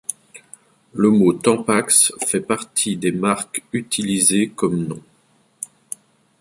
Le mot tampax fait partie des marques utilisées comme noms.